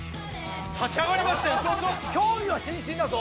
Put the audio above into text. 立ち上がりましたよ。